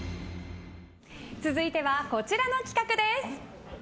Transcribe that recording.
続いてはこちらの企画です。